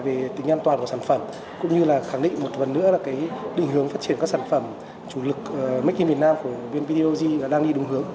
về tính an toàn của sản phẩm cũng như là khẳng định một phần nữa là định hướng phát triển các sản phẩm chủ lực making việt nam của vnptog đang đi đúng hướng